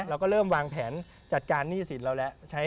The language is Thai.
เป็นแผนจัดการหนี้สินเราแหละ